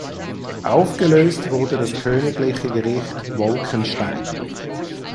Aufgelöst wurde das Königliche Gericht Wolkenstein.